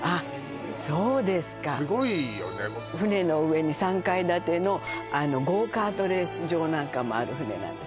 そうですかすごいよねもう船の上に３階建てのゴーカートレース場なんかもある船なんです